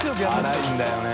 荒いんだよね。